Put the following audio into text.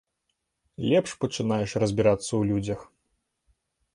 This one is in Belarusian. Лепш пачынаеш разбірацца ў людзях.